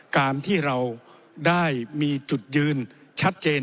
การที่เราได้มีจุดยืนชัดเจน